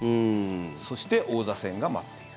そして、王座戦が待っている。